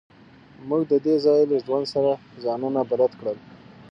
موږ د دې ځای له ژوند سره ځانونه بلد کړل